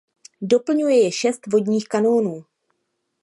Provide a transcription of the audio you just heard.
Doplňuje je šest vodních kanónů.